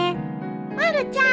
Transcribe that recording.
・まるちゃん。